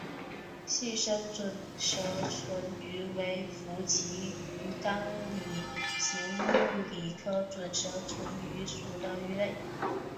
细身准舌唇鱼为辐鳍鱼纲鲤形目鲤科准舌唇鱼属的鱼类。